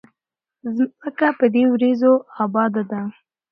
ځمکه په دې وريځو اباده ده